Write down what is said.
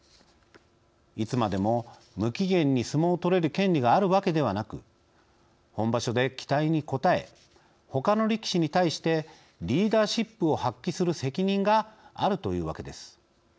いつまでも無期限に相撲をとれる権利があるわけではなく本場所で期待に応えほかの力士に対してリーダーシップを発揮する責任があるというわけです。